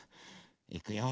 いくよ。